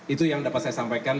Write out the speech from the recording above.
itu yang dapat saya sampaikan